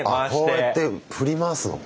こうやって振り回すのか。